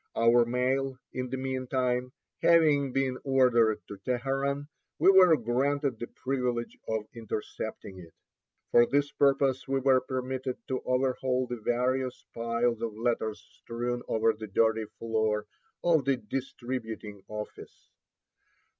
Our mail, in the mean time, having been ordered to Teheran, we were granted the privilege of intercepting it. For this purpose we were permitted to overhaul the various piles of letters strewn over the dirty floor of the distributing office.